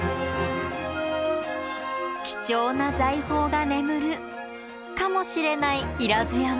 貴重な財宝が眠るかもしれない不入山。